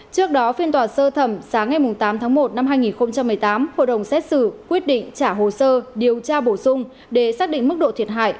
trước đó phiên tòa sơ thẩm sáng ngày tám tháng một năm hai nghìn một mươi tám hội đồng xét xử quyết định trả hồ sơ điều tra bổ sung để xác định mức độ thiệt hại